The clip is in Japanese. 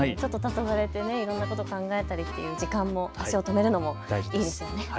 いろんなこと考えたりっていう時間も、足を止めるのもいいですよね。